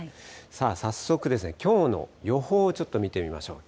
さあ、早速、きょうの予報をちょっと見てみましょう。